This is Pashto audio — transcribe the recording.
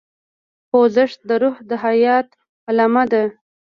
خوځښت د روح د حیات علامه ده.